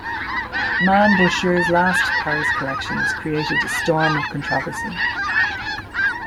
Mainbocher's last Paris collections created a storm of controversy.